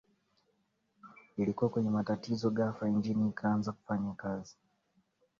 ilikuwa kwenye matatizo Ghafla injini ikaacha kufanyakazi